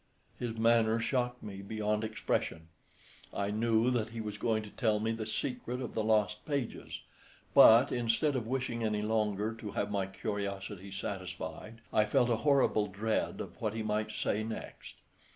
His manner shocked me beyond expression. I knew that he was going to tell me the secret of the lost pages, but instead of wishing any longer to have my curiosity satisfied, I felt a horrible dread of what he might say next.